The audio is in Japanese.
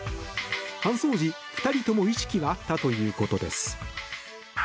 搬送時、２人とも意識はあったということです。